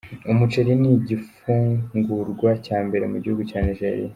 Umuceri ni igifungurwa cya mbere mu gihugu cya Nigeria.